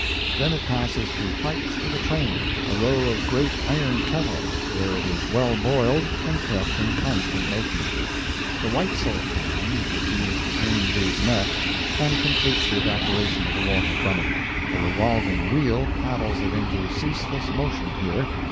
Then it passes through pipes to the "train"—a row of great iron kettles, where it is well boiled and kept in constant motion. The Weitzel pan receives the cane juice next, and completes the evaporation of the water from it. A revolving wheel paddles it into ceaseless motion here.